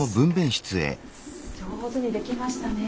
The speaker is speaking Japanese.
上手にできましたね。